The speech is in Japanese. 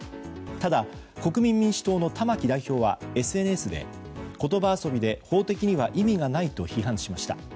ただ、国民民主党の玉木代表はＳＮＳで言葉遊びで法的には意味がないと批判しました。